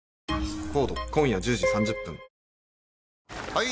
・はい！